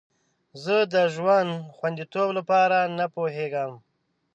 زه د ژوند خوندیتوب لپاره نه پوهیږم.